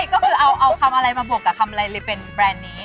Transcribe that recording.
ก็คือเอาคำอะไรมาบวกกับคำอะไรเลยเป็นแบรนด์นี้